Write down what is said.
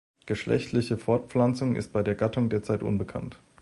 Geschlechtliche Fortpflanzung ist bei der Gattung derzeit unbekannt.